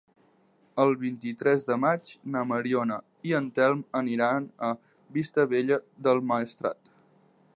El vint-i-tres de maig na Mariona i en Telm aniran a Vistabella del Maestrat.